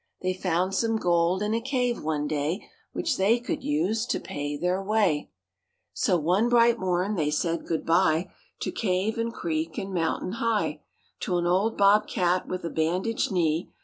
They found some gold in a cave one day Which they could use to pay their way. "They found some gold h a caoe one day ": bright morn they said good bye o cave and creek and mountain high, To an old bobcat with a bandaged knee.